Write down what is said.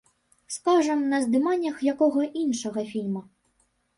Скажам, на здыманнях якога іншага фільма.